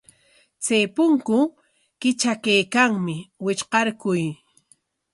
Chay punku kitrakaykanmi, witrqaykuy.